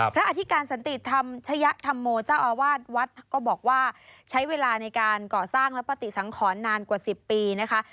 อธิการสันติธรรมชยธรรมโมเจ้าอาวาสวัดก็บอกว่าใช้เวลาในการก่อสร้างและปฏิสังขรนานกว่า๑๐ปีนะคะ